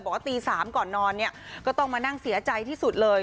บอกว่าตี๓ก่อนนอนเนี่ยก็ต้องมานั่งเสียใจที่สุดเลย